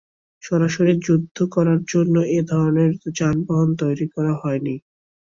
সরাসরি যুদ্ধ করার জন্য এ ধরনের যানবাহন তৈরি করা হয়নি।